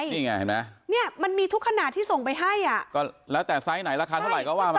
นี่ไงเห็นไหมเนี่ยมันมีทุกขนาดที่ส่งไปให้อ่ะก็แล้วแต่ไซส์ไหนราคาเท่าไหร่ก็ว่ามา